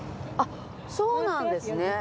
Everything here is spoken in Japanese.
あっそうなんですね！